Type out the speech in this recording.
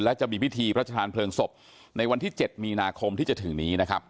และจะมีพิธีพระชาธานเพลิงศพในวันที่๗มีนาคมที่จะถึงนี้นะครับ